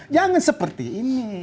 jangan seperti ini